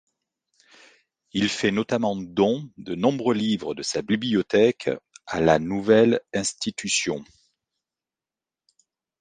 Il fait notamment don de nombreux livres de sa bibliothèques à la nouvelle institution.